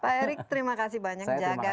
pak erick terima kasih banyak jaga